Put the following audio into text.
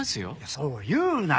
そう言うなよ。